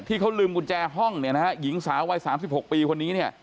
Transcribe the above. ที่เขาลืมกุญแจห้องเนี่ยนะฮะหญิงสาววัย๓๖ปีคนนี้เนี่ย